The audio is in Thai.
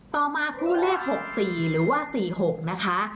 ต่อมาคู่เลข๖๔หรือว่า๔๖นะคะ